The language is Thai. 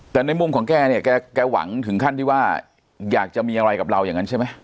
แต่ในมุมของแกเนี่ยแกหวังถึงขั้นที่ว่าอยากจะมีอะไรกับเราอย่างนั้นใช่ไหม